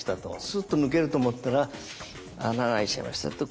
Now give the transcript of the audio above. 「スッと抜けると思ったら穴が開いちゃいました」と。